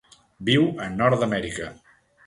Viu a Nord-amèrica.